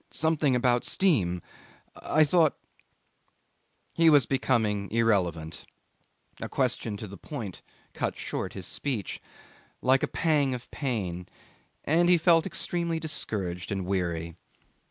something about steam. I thought ...' He was becoming irrelevant; a question to the point cut short his speech, like a pang of pain, and he felt extremely discouraged and weary.